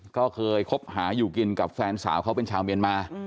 ก็เคยคบหาอยู่กินกับแฟนสาวเขาเป็นชาวเมียนมา